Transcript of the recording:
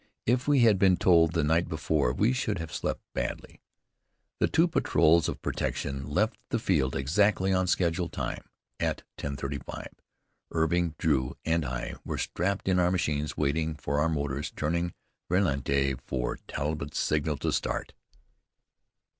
If we had been told the night before, we should have slept badly. The two patrols of protection left the field exactly on schedule time. At 10.35, Irving, Drew, and I were strapped in our machines, waiting, with our motors turning ralenti, for Talbott's signal to start.